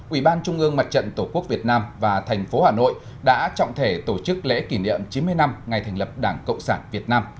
ủy ban trung ương mặt trận tổ quốc việt nam và thành phố hà nội đã trọng thể tổ chức lễ kỷ niệm chín mươi năm ngày thành lập đảng cộng sản việt nam